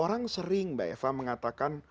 orang sering mbak eva mengatakan